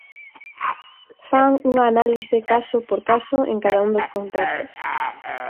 Fan unha análise caso por caso en cada un dos contratos.